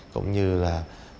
cũng như là